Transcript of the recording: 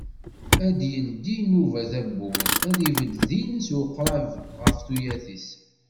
Ad d-yeldi inuba tawwurt ad ibed din s uqrab ɣef tuyat-is.